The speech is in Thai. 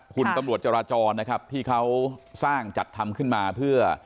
คุณตำรวจจราจรนะครับที่เขาสร้างจัดทำขึ้นมาเพื่อ